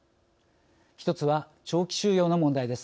１つは長期収容の問題です。